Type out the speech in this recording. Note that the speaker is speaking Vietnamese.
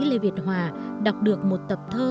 lê việt hòa đọc được một tập thơ